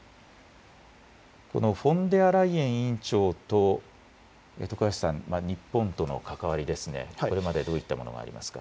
このフォンデアライエン委員長と徳橋さん、日本との関わりですね、これまでどういったものがありますか。